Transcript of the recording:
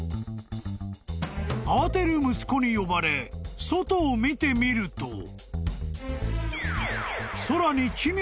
［慌てる息子に呼ばれ外を見てみると］